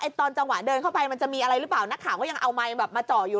ตอนจังหวะเดินเข้าไปมันจะมีอะไรหรือเปล่านักข่าวก็ยังเอาไมค์แบบมาเจาะอยู่